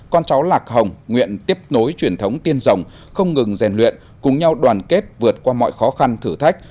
con cháu lạc hồng nguyện tiếp nối truyền thống tiên rồng không ngừng rèn luyện cùng nhau đoàn kết vượt qua mọi khó khăn thử thách